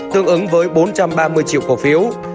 tương ứng với bốn trăm ba mươi triệu cổ phiếu